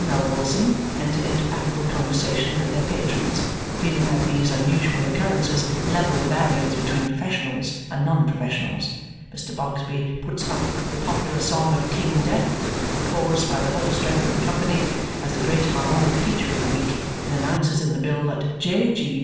Melvilleson enter into affable conversation with their patrons, feeling that these unusual occurrences level the barriers between professionals and non professionals. Mr. Bogsby puts up "The popular song of King Death, with chorus by the whole strength of the company," as the great Harmonic feature of the week and announces in the bill that "J.